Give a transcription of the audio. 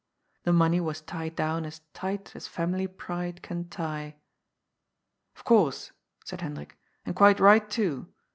The money was tied down as tight as family pride can tie. " Of coujrse," said Hendrik, " and quite right too.